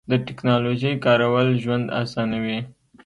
د تکنالوژۍ کارول ژوند اسانوي.